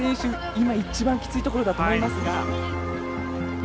今一番きついところだと思いますが。